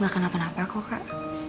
gak kenapa napa kok kak